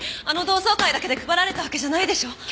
あの同窓会だけで配られたわけじゃないでしょ？